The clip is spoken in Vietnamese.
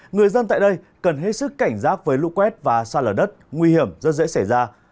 người dân tại đây cần hết sức cảnh giác với lũ quét và xa lở đất nguy hiểm rất dễ xảy ra